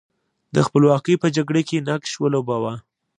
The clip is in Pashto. د خپلواکۍ په جګړه کې نقش ولوباوه.